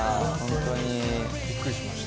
びっくりしました。